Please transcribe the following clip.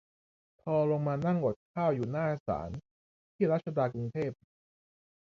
พอลงมานั่งอดข้าวอยู่หน้าศาล ที่รัชดา กรุงเทพ